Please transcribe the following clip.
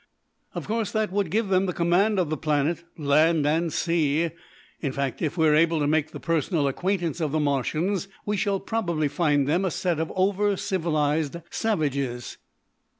Of course that would give them the command of the planet, land and sea. In fact, if we are able to make the personal acquaintance of the Martians, we shall probably find them a set of over civilised savages."